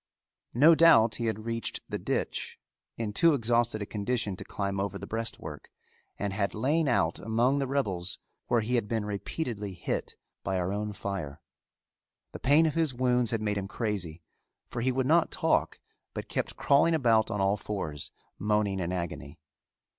No doubt he had reached the ditch in too exhausted a condition to climb over the breastwork and had lain out among the rebels where he had been repeatedly hit by our own fire. The pain of his wounds had made him crazy, for he would not talk, but kept crawling about on all fours moaning in agony.